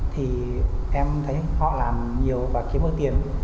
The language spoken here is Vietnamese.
thì em thấy họ làm nhiều và kiếm được tiền